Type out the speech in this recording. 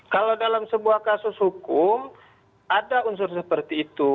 kalau dalam sebuah kasus hukum ada unsur seperti itu